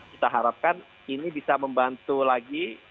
kita harapkan ini bisa membantu lagi